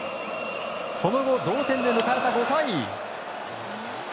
その後、同点で迎えた５回。